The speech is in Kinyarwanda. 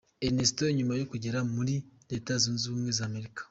Ernesto nyuma yo kugera muri Leta Zunze Ubumwe za Amerika.